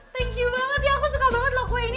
thank you banget ya aku suka banget loh kue ini